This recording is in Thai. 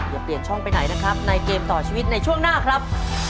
อย่าเปลี่ยนช่องไปไหนนะครับในเกมต่อชีวิตในช่วงหน้าครับ